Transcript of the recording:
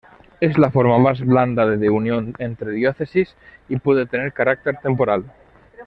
Es la forma más blanda de unión entre diócesis y puede tener carácter temporal.